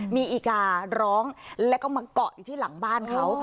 มีอีการ้องแล้วก็มาเกาะอยู่ที่หลังบ้านเขา